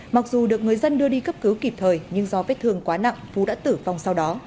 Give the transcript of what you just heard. mặc dù được người dân đưa đi cấp cứu kịp thời nhưng do vết thương quá nặng phú đã tử vong sau đó